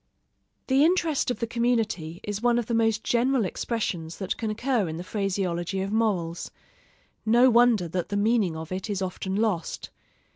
The interest of the community is one of the most general expressions that can occur in the phraseology of morals: no wonder that the meaning of it is often lost.